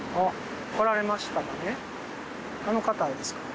あの方ですかね？